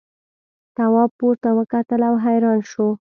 تواب پورته وکتل او حیران شو.